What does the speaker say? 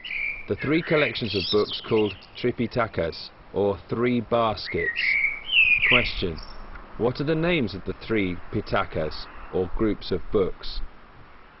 The three collections of books called Tripitakas or "Three Baskets". 162. Q. _What are the names of the three Pitakas, or groups of books?